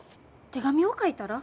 手紙を書いたら？